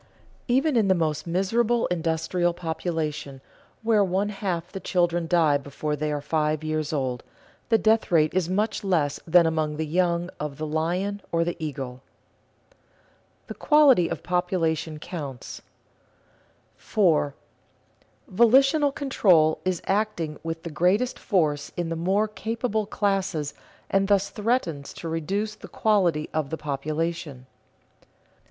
Even in the most miserable industrial population where one half the children die before they are five years old, the death rate is much less than among the young of the lion or the eagle. [Sidenote: The quality of population counts] 4. _Volitional control is acting with the greatest force in the more capable classes and thus threatens to reduce the quality of the population.